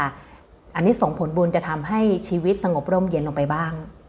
อันนี้ส่งผลบุญจะทำให้ชีวิตสงบร่มเย็นลงไปบ้าง